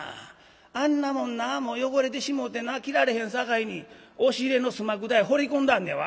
あんなもんなもう汚れてしもうてな着られへんさかいに押し入れのすまくだへ放り込んであんねわ」。